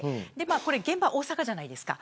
現場は大阪じゃないですか。